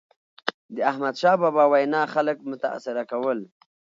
د احمدشاه بابا وینا خلک متاثره کول.